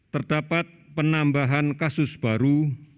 terdapat penambahan kasus baru